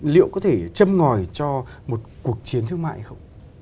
liệu có thể châm ngòi cho một cuộc chiến thương mại hay không